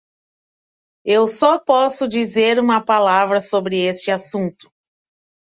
Eu só posso dizer uma palavra sobre este assunto.